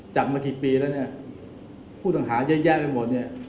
จับมากี่ปีแล้วเนี่ยผู้ต่างหาแย่ไปหมดเนี่ย